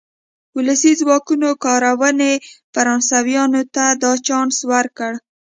ولسي ځواکونو کارونې فرانسویانو ته دا چانس ورکړ.